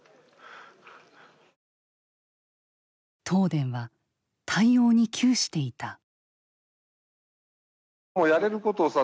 東電は対応に窮していた。